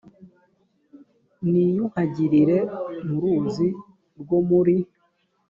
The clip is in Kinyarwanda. niyuhagirire mu ruzi rwo muri